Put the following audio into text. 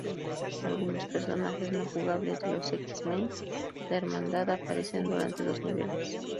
Algunos personajes no jugables de los X-Men y la Hermandad aparecen durante los niveles.